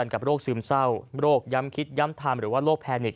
กับโรคซึมเศร้าโรคย้ำคิดย้ำทำหรือว่าโรคแพนิก